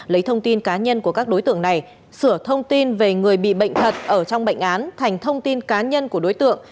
lấy thông tin cá nhân của các đối tượng này sửa thông tin về người bị bệnh thật ở trong bệnh án thành thông tin cá nhân của đối tượng